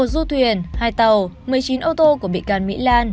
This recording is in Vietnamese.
một du thuyền hai tàu một mươi chín ô tô của bị can mỹ lan